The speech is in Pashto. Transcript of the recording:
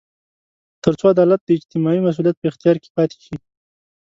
تر څو عدالت د اجتماعي مسوولیت په اختیار کې پاتې شي.